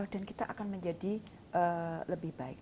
dan kita akan menjadi lebih baik